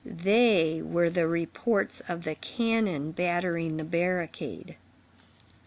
They were the reports of the cannon battering the barricade.